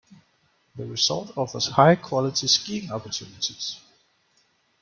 The resort offers high quality skiing opportunities.